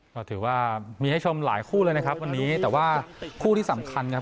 ก็ถือว่ามีให้ชมหลายคู่เลยนะครับวันนี้แต่ว่าคู่ที่สำคัญครับ